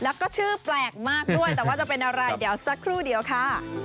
แล้วก็ชื่อแปลกมากด้วยแต่ว่าจะเป็นอะไรเดี๋ยวสักครู่เดียวค่ะ